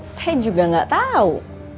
saya juga nggak tahu